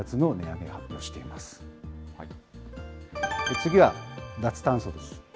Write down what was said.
次は脱炭素です。